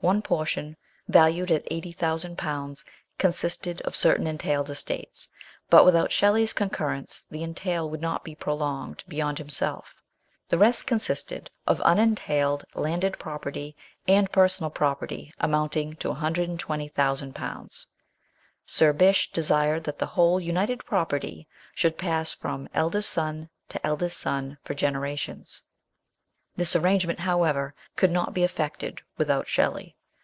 One portion, valued at 80,000, consisted of certain entailed estates, but without Shelley's concurrence the entail could not be prolonged beyond himself; the rest con sisted of unentailed landed property and personal property amounting to 120,000. Sir Bysshe desired that the whole united property should pass from eldest son to eldest son for generations. This arrangement, however, could not be effected without Shelley.